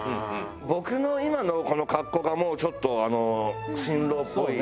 僕の今のこの格好がもうちょっとあの新郎っぽい。